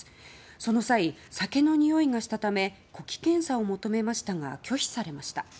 その際、酒のにおいがしたため呼気検査を求めましたが拒否されました。